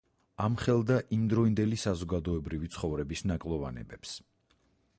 ამხელდა იმდროინდელი საზოგადოებრივი ცხოვრების ნაკლოვანებებს.